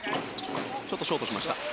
ちょっとショートしました。